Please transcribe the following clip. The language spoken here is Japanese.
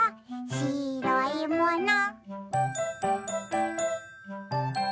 しろいもの？」